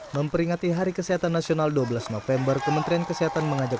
memperingati hari kesehatan nasional dua belas november kementerian kesehatan mengajak